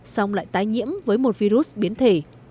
xong lại tái nhiễm với một virus biến thể